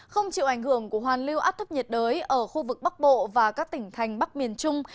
không chịu ảnh hưởng của hoàn lưu áp thấp nhiệt đới ở khu vực bắc bộ và các tỉnh thành bắc miền trung